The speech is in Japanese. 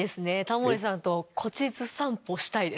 タモリさんと古地図散歩したいです。